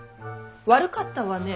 悪かったわね。